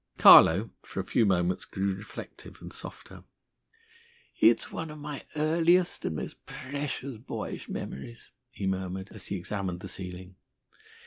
Carlo, for a few moments, grew reflective and softer. "It's one of my earliest and most precious boyish memories," he murmured, as he examined the ceiling.